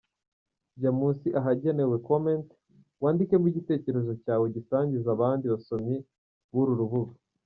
Jya munsi ahagenewe “comment” wandikemo igitekerezo cyawe ugisangize abandi basomyi b’uru rubuga.